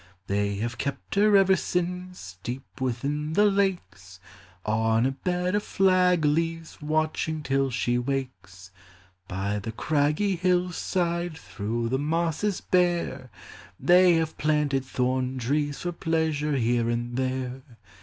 They have kept her ever since Deep within the lakes, On a bed of flag leaves, Watching till she wakes. FAIRIES: ELVES: SPRITES. 21 By the craggy hillside, Through the mosses bare, They have planted thorn trees For pleasure here and there.